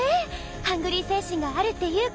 ハングリー精神があるっていうか。